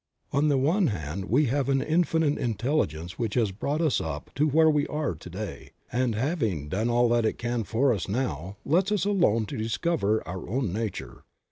On the one hand we have an Infinite Intelligence which has brought us up to where we are to day; and having done all that it can for us now lets us alone to discover our own nature.